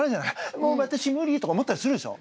「もうわたし無理」とか思ったりするでしょ？